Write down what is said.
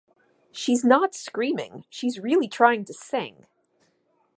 She's not screaming, she's really trying to sing.